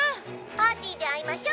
「パーティーで会いましょ！」